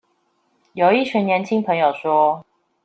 有一群年輕朋友說